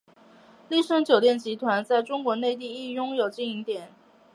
丽笙酒店集团在中国内地亦拥有经营点。